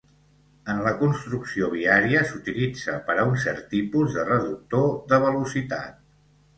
En la construcció viària, s'utilitza per a un cert tipus de reductor de velocitat.